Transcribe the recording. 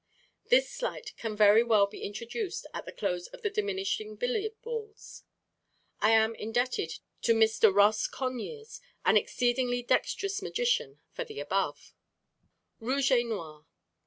This sleight can very well be introduced at the close of the "Diminishing Billiard Balls." I am indebted to Mr. Ross Conyears, an exceedingly dexterous magician, for the above. Rouge et Noir.